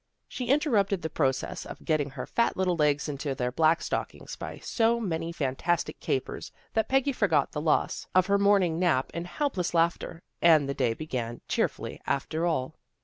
She interrupted the process of getting her fat little legs into their black stockings by so many fantastic capers that Peggy forgot the loss of 36 THE GIRLS OF FRIENDLY TERRACE her morning nap in helpless laughter, and the day began cheerfully after all.